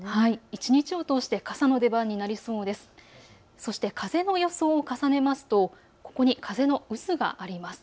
一日を通して傘の出番になりそうです。